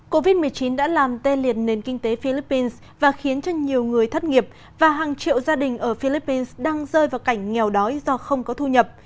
covid một mươi chín đã làm tê liệt nền kinh tế philippines và khiến cho nhiều người thất nghiệp và hàng triệu gia đình ở philippines đang rơi vào cảnh nghèo đói do không có thu nhập